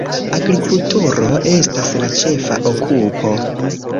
Agrikulturo estas la ĉefa okupo.